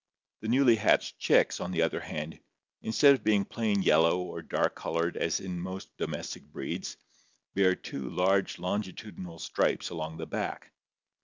The newly hatched chicks, on the other hand, instead of being plain yellow or dark colored as in most domestic breeds, bear two dark longitudinal stripes along the back.